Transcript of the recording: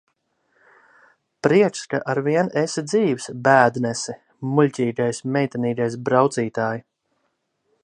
Prieks, ka arvien esi dzīvs, Bēdnesi, muļķīgais, meitenīgais braucītāj!